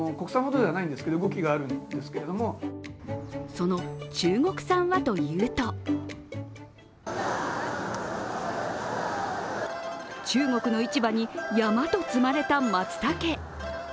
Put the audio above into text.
その中国産はというと中国の市場に山と積まれたまつたけ。